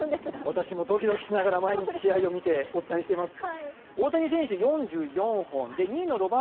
私もドキドキしながら毎日試合を見てお伝えしています。